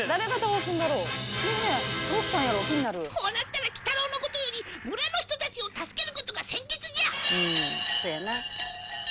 「こうなったら鬼太郎のことより村の人たちを助けることが先決じゃ」